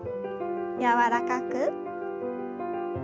柔らかく。